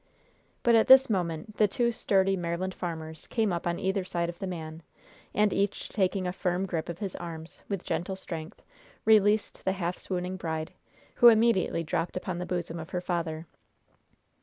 But at this moment the two sturdy Maryland farmers came up on either side of the man, and, each taking a firm grip of his arms, with gentle strength, released the half swooning bride, who immediately dropped upon the bosom of her father.